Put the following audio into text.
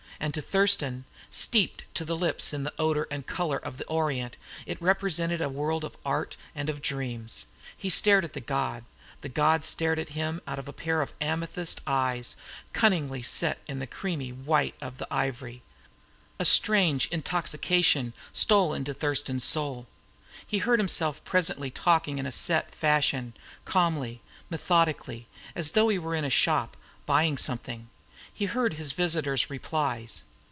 And to Thurston, steeped to the lips in the odour and colour of the Orient, it represented a world of art and of dreams. He stared at the god; the god stared at him out of a pair of amethyst eyes, cunningly set into the creamy white of the ivory. A strange intoxication stole into Thurston's soul. He heard himself presently talking in set fashion, calmly, methodically, as though he were in a shop, buying something. He heard his visitor's replies.